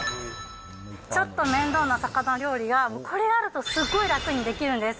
ちょっと面倒な魚料理が、これあると、すっごい楽にできるんです。